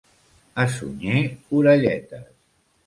A Sunyer, orelletes.